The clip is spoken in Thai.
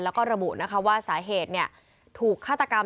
และระบุว่าสาเหตุถูกฆาตกรรม